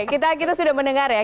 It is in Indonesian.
kita sudah mendengar ya